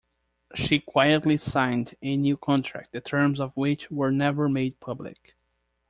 She quietly signed a new contract, the terms of which were never made public.